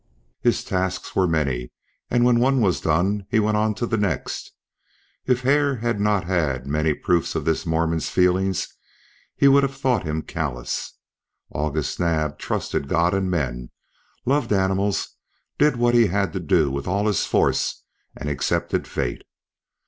His tasks were many, and when one was done, he went on to the next. If Hare had not had many proofs of this Mormon's feeling he would have thought him callous. August Naab trusted God and men, loved animals, did what he had to do with all his force, and accepted fate.